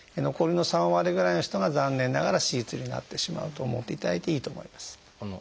残りの３割ぐらいの人が残念ながら手術になってしまうと思っていただいていいと思います。